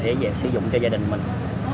để sử dụng cho gia đình